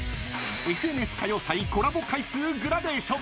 ［『ＦＮＳ歌謡祭』コラボ回数グラデーション］